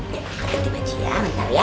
ya makanin di baju ya ntar ya